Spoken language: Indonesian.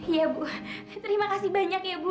iya bu terima kasih banyak ya bu